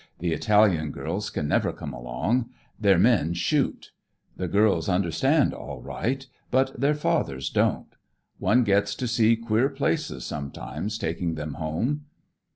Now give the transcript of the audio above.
The Italian girls can never come along; their men shoot. The girls understand, all right; but their fathers don't. One gets to see queer places, sometimes, taking them home."